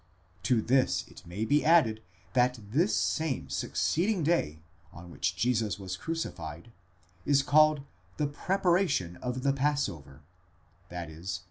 To this it may be added that this same succeeding day, on which Jesus was crucified, is called the preparation of the passover, παρασκευὴ τοῦ πάσχα, i.e.